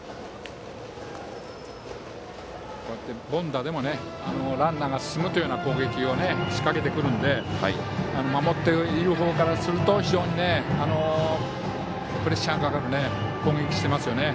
凡打でもランナーが進むというような攻撃を仕掛けてくるので守っている方からすると非常にプレッシャーかかる攻撃してますよね。